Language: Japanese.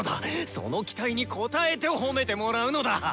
その期待に応えてホメてもらうのだ！